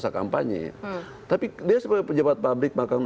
usah kampanye tapi dia sebagai pejabat publik maka